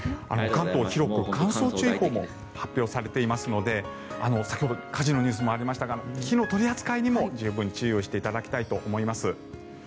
関東は広く乾燥注意報も発表されていますので先ほど火事のニュースもありましたが火の取り扱いにも十分注意していただきたいと思います。